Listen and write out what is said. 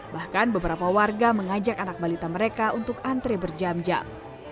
bahkan beberapa warga mengajak anak balita mereka untuk antre berjam jam